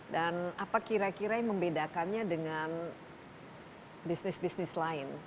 dan apa kira kira yang membedakannya dengan bisnis bisnis lain